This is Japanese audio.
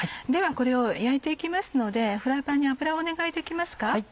ではこれを焼いて行きますのでフライパンに油をお願いできますか。